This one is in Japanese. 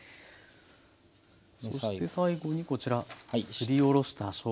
そして最後にこちらすりおろしたしょうがですね。